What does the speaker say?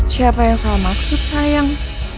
siapa yang salah maksud sayang